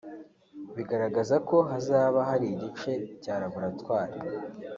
bigaragara ko hazaba hari igice cya laboratwari